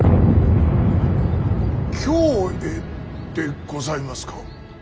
京へでございますか。